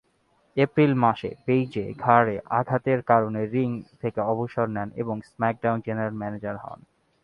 April মাসে Paige ঘাড়ে আঘাতের কারণে রিং থেকে অবসর নেন এবং স্ম্যাকডাউন জেনারেল ম্যানেজার হন।